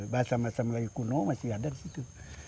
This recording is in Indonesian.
bahasa bahasa melayu kuno masih ada di situ